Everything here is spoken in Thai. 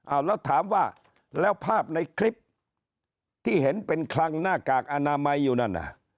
เอาแล้วถามว่าแล้วภาพในคลิปที่เห็นเป็นคลังหน้ากากอนามัยอยู่นั่นน่ะ